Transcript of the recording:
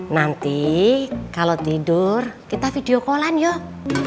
nanti kalau tidur kita video call an yuk